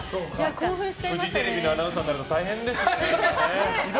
フジテレビのアナウンサーになると大変ですよね。